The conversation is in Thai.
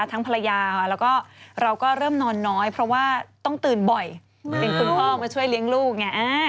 ทั้งภรรยาแล้วก็เราก็เริ่มนอนน้อยเพราะว่าต้องตื่นบ่อยเป็นคุณพ่อมาช่วยเลี้ยงลูกไง